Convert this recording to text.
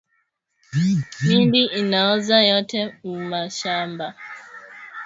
Miindi inaoza yote mumashamba